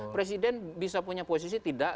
presiden bisa punya posisi tidak